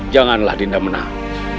janganlah dinda menang